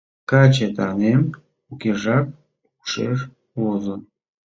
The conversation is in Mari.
Каче таҥем укежак ушеш возо...